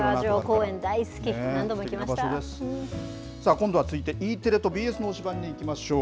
今度は続いて、ＥテレとＢＳの推しバン！にいきましょう。